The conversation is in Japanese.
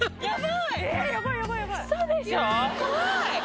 やばい。